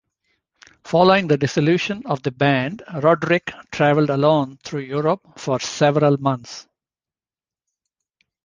Following the dissolution of the band, Roderick traveled alone through Europe for several months.